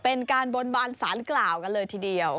เป็นการบนบานสารกล่าวกันเลยทีเดียว